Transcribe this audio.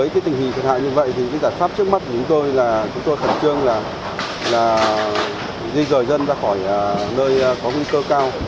chúng tôi khẩn trương là di rời dân ra khỏi nơi có nguy cơ cao